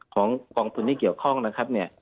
ของกองทุนที่เกี่ยวข้องนะครับเนี่ย